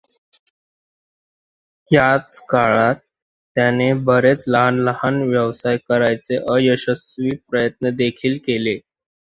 याच काळात त्याने बरेच लहान लहान व्यवसाय करण्याचे अयशस्वी प्रयत्नदेखील केले.